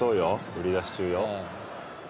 売り出し中よ。